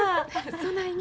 そないに？